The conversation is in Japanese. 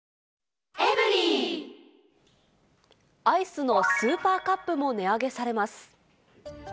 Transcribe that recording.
アイスのスーパーカップも値上げされます。